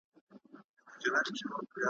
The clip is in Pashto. نه صیاد نه قفس وینم قسمت ایښی راته دام دی ,